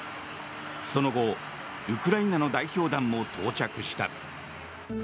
その後、ウクライナの代表団も到着した。